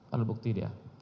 alat bukti dia